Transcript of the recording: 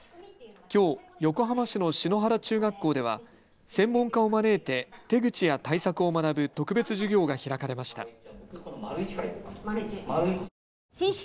きょう横浜市の篠原中学校では専門家を招いて手口や対策を学ぶ特別授業が開かれました。